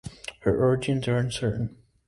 Her origins are uncertain.